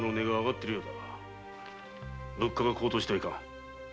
物価が高騰してはいかん。